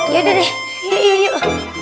yaudah deh yuk yuk